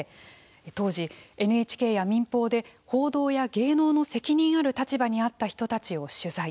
当時ＮＨＫや民放で報道や芸能の責任ある立場にあった人たちを取材。